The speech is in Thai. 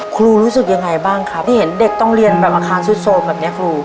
คุณรู้สึกยังไงบ้างคะที่เห็นเด็กต้องเรียนคามสู่โซนแบบเนี้ยครู